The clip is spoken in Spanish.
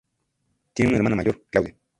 Tiene una hermana mayor, Claudia.